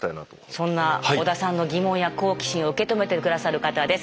そんな織田さんの疑問や好奇心を受け止めて下さる方です。